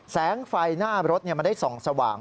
แสงไฟหน้ารถมันได้ส่องสว่าง